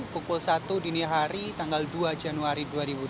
pukul satu dini hari tanggal dua januari dua ribu dua puluh